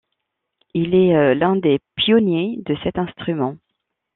Il est l'un des pionniers de cet instrument.